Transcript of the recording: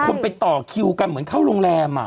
ไปต่อคิวกันเหมือนเข้าโรงแรม